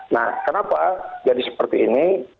nah kenapa jadi seperti ini